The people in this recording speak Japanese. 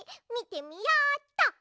みてみようっと。